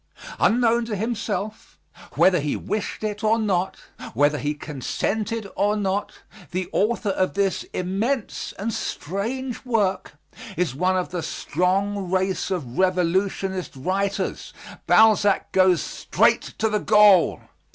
Unknown to himself, whether he wished it or not, whether he consented or not, the author of this immense and strange work is one of the strong race of Revolutionist writers. Balzac goes straight to the goal.